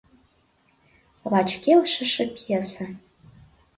Лач келшыше пьесе!